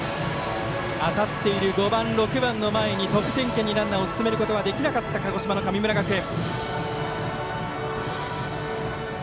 当たっている５番、６番の前に得点圏にランナーを進めることができなかった鹿児島の神村学園。